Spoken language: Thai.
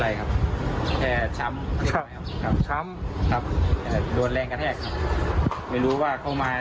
ไรครับแค่ช้ำช้ำครับโดนแรงกระแทกครับไม่รู้ว่าเข้ามา